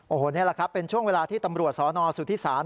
โอ้โหนี่แหละครับเป็นช่วงเวลาที่ตำรวจสนสุธิศาล